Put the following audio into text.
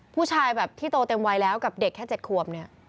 ผู้ชายแบบที่โตเต็มวัยแล้วกับเด็กแค่๗ขวบเนี่ย